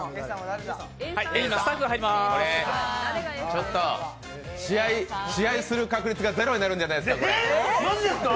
ちょっと試合する確立がゼロになるんじゃないですか。